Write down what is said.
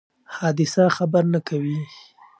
حادثه خبر نه کوي.